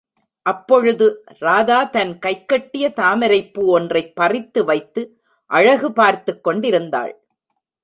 அப்பொழுது ராதா தன் கைக்கெட்டிய தாமரைப் பூ ஒன்றைப் பறித்து வைத்து அழகு பார்த்துக் கொண்டிருந்தாள்.